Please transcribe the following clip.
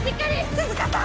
涼香さん！